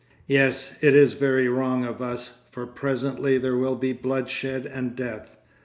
Yes, it is very wrong of us, for presently there will be bloodshed and death.